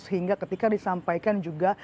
sehingga ketika disampaikan juga